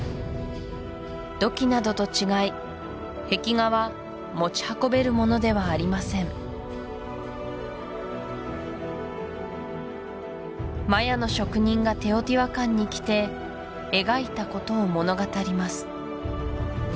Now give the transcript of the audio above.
土器などと違い壁画は持ち運べるものではありませんマヤの職人がテオティワカンに来て描いたことを物語ります